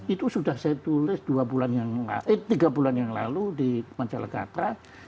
itu sudah saya tulis tiga bulan yang lalu di majalengkatra